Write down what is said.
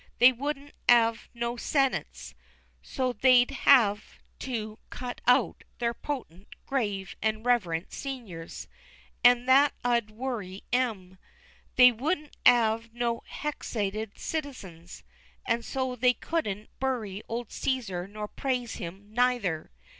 They wouldn't 'ave no sennits, so they'd 'ave to cut out their potent, grave, and reverent seniors an' that 'ud worry em. They wouldn't 'ave no hexited citizens, and so they couldn't bury old Ceser nor praise him neither.